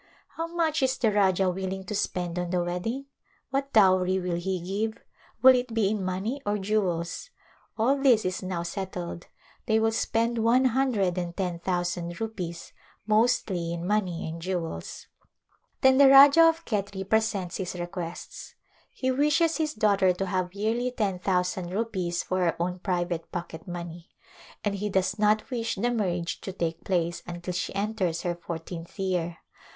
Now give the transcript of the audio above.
How much is the Rajah willing to spend on the wedding ? What dowry will he give ? Will it be in money or jewels ? All this is now set [ 302] A Marriage Arra7igemeiit tied. They will spend one hundred and ten thousand rupees, mostly in money and jewels. Then the Rajah of Khetri presents his requests. He wishes his daughter to have yearly ten thousand rupees for her own private pocket money, and he does not wish the marriage to take place until she enters her fourteenth year.